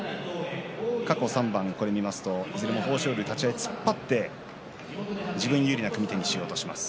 過去３番見ますといずれも豊昇龍が立ち合い、突っ張って自分有利な組み手にしようとします。